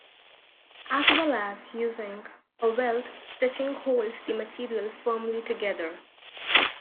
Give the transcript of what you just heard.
As well as using a welt, stitching holds the material firmly together.